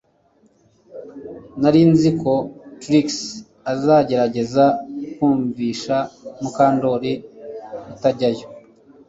Nari nzi ko Trix azagerageza kumvisha Mukandoli kutajyayo